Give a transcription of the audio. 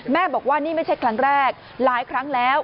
บอกว่านี่ไม่ใช่ครั้งแรกหลายครั้งแล้ว